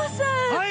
はい！